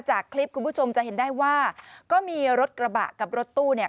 จากคลิปคุณผู้ชมจะเห็นได้ว่าก็มีรถกระบะกับรถตู้เนี่ย